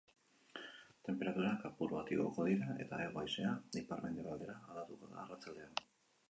Tenperaturak apur bat igoko dira, eta hego haizea ipar-mendebaldera aldatuko da arratsaldean.